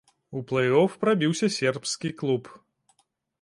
У плэй-оф прабіўся сербскі клуб.